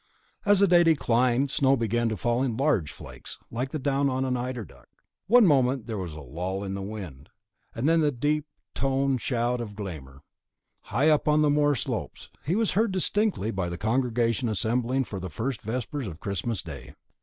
As the day declined, snow began to fall in large flakes like the down of the eider duck. One moment there was a lull in the wind, and then the deep toned shout of Glámr, high up the moor slopes, was heard distinctly by the congregation assembling for the first vespers of Christmas Day.